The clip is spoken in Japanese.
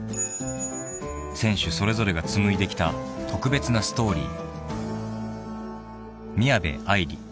［選手それぞれが紡いできた特別なストーリー］